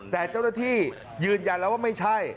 แต่เจ้าหน้าที่ยืนยันแล้วว่าไม่ใช่